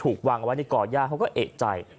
ถูกวางไว้ในก่อญาติเขาก็เอกใจ